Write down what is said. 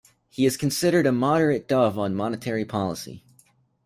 He is considered a moderate dove on monetary policy.